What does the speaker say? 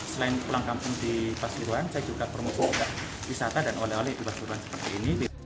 selain pulang kampung di pasuruan saya juga bermuf wisata dan oleh oleh di pasuruan seperti ini